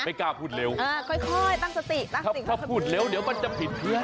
ไม่กล้าพูดเร็วถ้าพูดเร็วเดี๋ยวมันจะผิดเพลือน